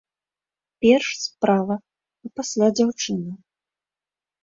Перш справа, а пасля дзяўчына.